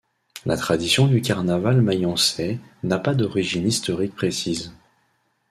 La tradition du carnaval mayençais n'a pas d'origine historique précise.